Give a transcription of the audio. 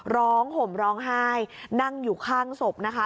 ห่มร้องไห้นั่งอยู่ข้างศพนะคะ